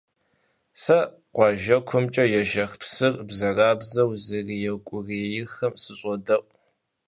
Сэ къуажэкумкӀэ ежэх псыр бзэрабзэу зэреукӀуриехым сыщӀодэӀу.